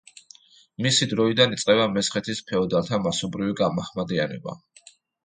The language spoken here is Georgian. მისი დროიდან იწყება მესხეთის ფეოდალთა მასობრივი გამაჰმადიანება.